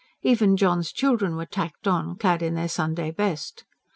Even John's children were tacked on, clad in their Sunday best.